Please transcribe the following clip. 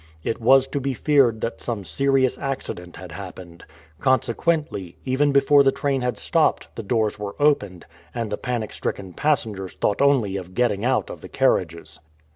It was to be feared that some serious accident had happened. Consequently, even before the train had stopped, the doors were opened, and the panic stricken passengers thought only of getting out of the carriages.